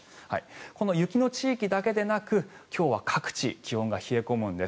この雪の地域だけでなく今日は各地気温が冷え込むんです。